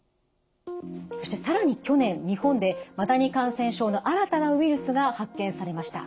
そして更に去年日本でマダニ感染症の新たなウイルスが発見されました。